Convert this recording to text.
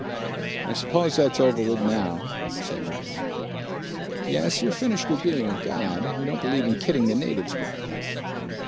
"I suppose that's over with now," said Bradley. "Yes, you're finished with being a god. We don't believe in kidding the natives, Bradley!"